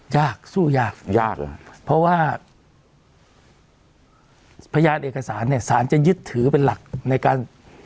ยากสู้ยากยากเลยเพราะว่าพยานเอกสารเนี่ยสารจะยึดถือเป็นหลักในการ